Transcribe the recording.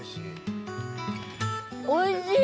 おいしい？